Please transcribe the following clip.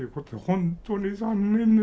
本当に残念で。